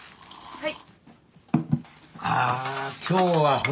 はい。